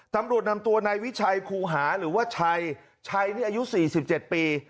ตำรวจนำตัวนายวิชัยครูหาหรือว่าชัยชัยนี่อายุ๔๗ปี